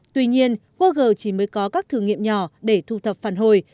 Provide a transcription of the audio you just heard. tuy nhiên google chỉ mới có các thử nghiệm nhỏ để thu thập phản hồi